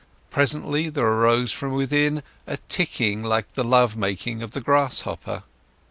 Presently there arose from within a ticking like the love making of the grasshopper.